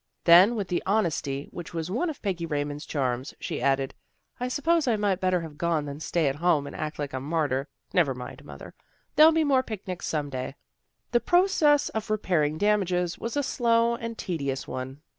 Then with the honesty which was one of Peggy Raymond's charms, she added, " I suppose I might better have gone than stay at home and act like a martyr. Never mind, mother. There'll be more picnics some day." The process of repairing damages was a slow and tedious one.